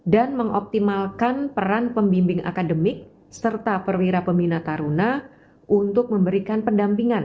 dan mengoptimalkan peran pembimbing akademik serta perwira peminat taruna untuk memberikan pendampingan